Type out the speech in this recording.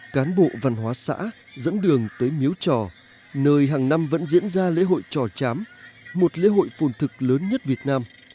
cán bộ văn hóa xã dẫn đường tới miếu trò nơi hàng năm vẫn diễn ra lễ hội trò chám một lễ hội phồn thực lớn nhất việt nam